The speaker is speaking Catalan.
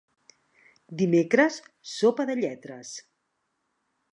Dimecres, sopa de lletres.